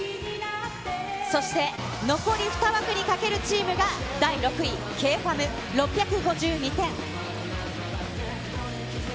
そして、残り２枠にかけるチームが第６位、Ｋｆａｍ、６５２点。